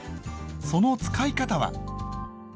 その使い方は？